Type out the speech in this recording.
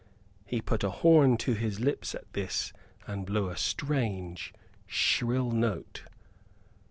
He put a horn to his lips at this and blew a strange, shrill note.